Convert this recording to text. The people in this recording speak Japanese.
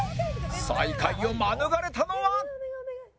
最下位をまぬがれたのは